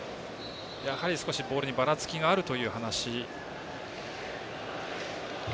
やはり、少しボールにばらつきがあるという話。